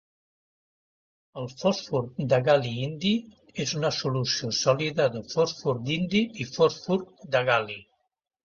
El fosfur de gal·li-indi és una solució sòlida de fosfur d'indi i fosfur de gal·li.